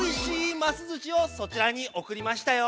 ますずしをそちらにおくりましたよ。